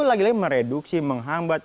lagi lagi mereduksi menghambat